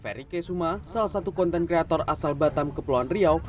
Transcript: ferry kesuma salah satu konten kreator asal batam kepulauan riau